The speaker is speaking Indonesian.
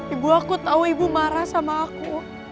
ibu aku tahu ibu marah sama aku